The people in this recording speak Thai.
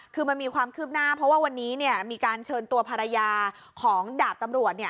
คือมันมีความคืบหน้าเพราะว่าวันนี้มีการเชิญตัวภรรยาของดาบตำรวจ